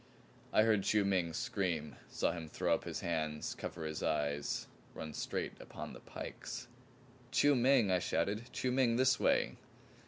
I heard Chiu Ming scream; saw him throw up his hands, cover his eyes run straight upon the pikes! "Chiu Ming!" I shouted. "Chiu Ming! This way!"